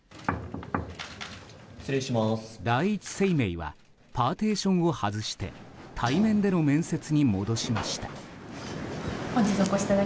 第一生命はパーティションを外して対面での面接に戻しました。